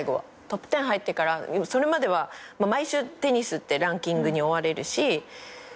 トップ１０入ってからそれまでは毎週テニスってランキングに追われるし